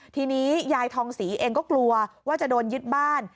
ทีนี้ยายทองศรีเองก็กลัวว่าจะโดนยึดบ้าน